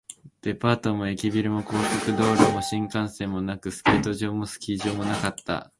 デパートも駅ビルも、高速道路も新幹線もなく、スケート場もスキー場もなかった